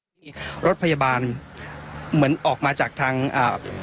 มีรถพยาบาลเหมือนออกมาจากทางอ่า